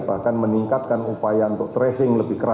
bahkan meningkatkan upaya untuk tracing lebih keras